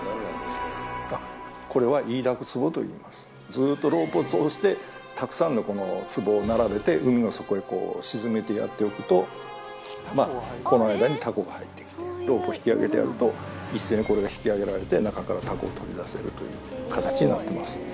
ずっとロープを通してたくさんのつぼを並べて海の底へ沈めてやっておくとこの間にタコが入ってきてロープを引きあげてやると一斉にこれが引きあげられて中からタコを取り出せるという形。